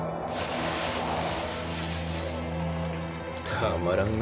たまらんな